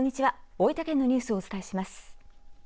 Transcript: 大分県のニュースをお伝えします。